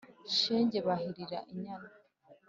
shenge bahirira inyana